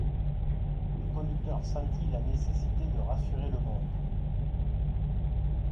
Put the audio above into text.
Le conducteur sentit la nécessité de rassurer le monde.